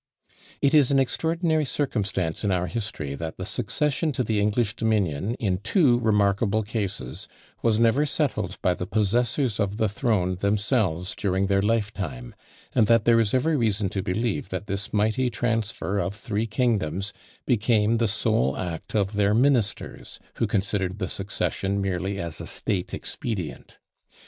It is an extraordinary circumstance in our history, that the succession to the English dominion, in two remarkable cases, was never settled by the possessors of the throne themselves during their lifetime; and that there is every reason to believe that this mighty transfer of three kingdoms became the sole act of their ministers, who considered the succession merely as a state expedient.